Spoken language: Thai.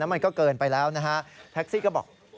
แล้วมันก็เกินไปแล้วแท็กซี่ก็บอก